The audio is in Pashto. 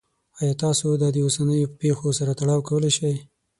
ایا تاسو دا د اوسنیو پیښو سره تړاو کولی شئ؟